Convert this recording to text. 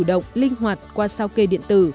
thẻ tín dụng linh hoạt qua sao kê điện tử